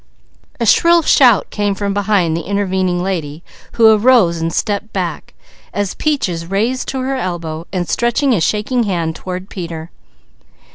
A shrill shout came from behind the intervening lady who arose and stepped back as Peaches raised to her elbow, and stretched a shaking hand toward Peter.